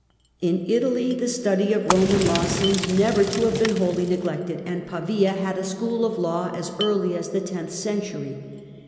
In Italy the study of Eoman law seems never to have been wholly neglected, and Pavia had a school of law as early as the tenth century.